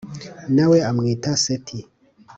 na we amwita Seti